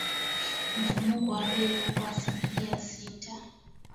Mfumuko wa bei uko asilimia sita